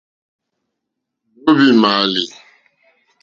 Nǒhwì mààlì.